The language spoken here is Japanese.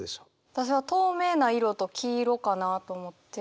私は透明な色と黄色かなと思って。